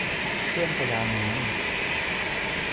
เครื่องประดาน้ำ